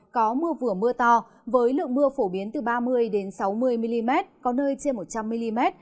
có mưa vừa mưa to với lượng mưa phổ biến từ ba mươi sáu mươi mm có nơi trên một trăm linh mm